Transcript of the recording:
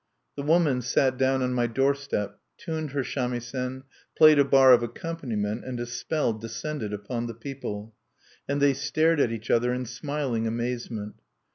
The woman sat down on my doorstep, tuned her samisen, played a bar of accompaniment, and a spell descended upon the people; and they stared at each other in smiling amazement.